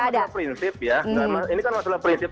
masalah prinsip ya ini kan masalah prinsip